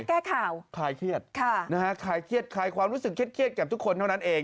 มาแก้ข่าวคลายเครียดคลายความรู้สึกเครียดกับทุกคนเท่านั้นเอง